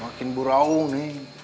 makin burau neng